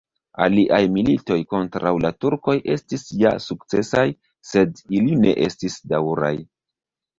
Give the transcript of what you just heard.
Aliaj militoj kontraŭ la turkoj estis ja sukcesaj, sed ili ne estis daŭraj.